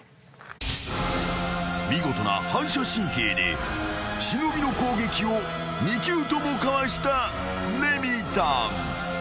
［見事な反射神経で忍の攻撃を２球ともかわしたレミたん］